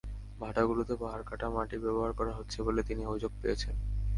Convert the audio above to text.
ভাটাগুলোতে পাহাড় কাটা মাটি ব্যবহার করা হচ্ছে বলে তিনি অভিযোগ পেয়েছেন।